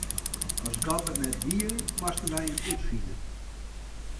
As God der net wie, moasten wy Him útfine.